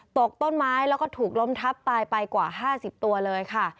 ตกต้นไม้แล้วก็ถูกล้มทับตายไปกว่า๕๐ตัวเลยค่ะ